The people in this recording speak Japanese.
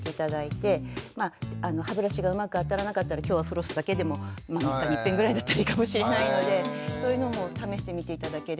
歯ブラシがうまくあたらなかったら今日はフロスだけでも３日にいっぺんぐらいだったらいいかもしれないのでそういうのも試してみて頂ければなと。